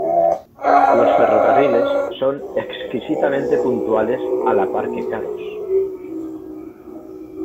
Los ferrocarriles son exquisitamente puntuales a la par que caros.